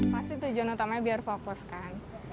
pasti tujuan utamanya biar fokus kan